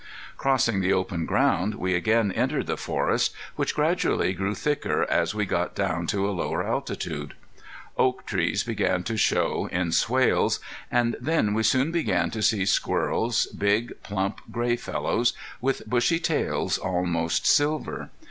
Crossing the open ground we again entered the forest, which gradually grew thicker as we got down to a lower altitude. Oak trees began to show in swales. And then we soon began to see squirrels, big, plump, gray fellows, with bushy tails almost silver.